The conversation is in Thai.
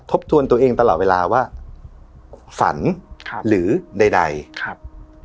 ทบทวนตัวเองตลอดเวลาว่าฝันครับหรือใดใดครับ